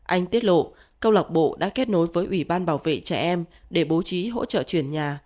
anh tiết lộ câu lạc bộ đã kết nối với ủy ban bảo vệ trẻ em để bố trí hỗ trợ chuyển nhà